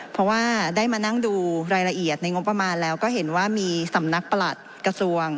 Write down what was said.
เพราะว่าได้มานั่งดูรายละเอียดในงบประมาณแล้วก็เห็นว่ามีสำนักประหลัดกระทรวง